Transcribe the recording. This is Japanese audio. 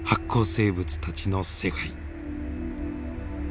生物たちの世界。